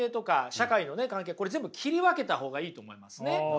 これ全部切り分けた方がいいと思いますね。